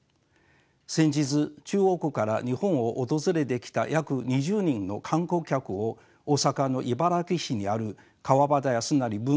先日中国から日本を訪れてきた約２０人の観光客を大阪の茨木市にある川端康成文学館にご案内いたしました。